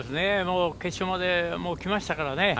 決勝まで来ましたからね。